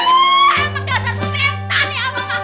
emang datang ke tempat ini